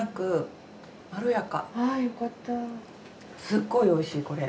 すっごいおいしいこれ！